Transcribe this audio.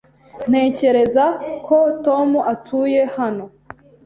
Ntekereza ko Tom atuye hano.